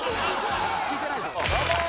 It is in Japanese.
聞いてないぞ。